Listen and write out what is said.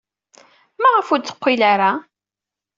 Maɣef ur d-teqqil ara?